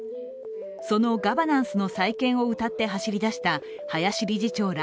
そのガバナンスの再建をうたって走り出した林理事長ら